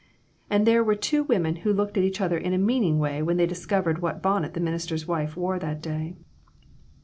And there were two women who looked at each other in a meaning way when they discovered what bonnet the minister's wife wore that day.